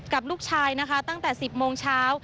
กับลูกชายนะคะตั้งแต่๑๐โมงเช้า